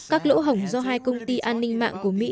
các lỗ hổng do hai công ty an ninh mạng của mỹ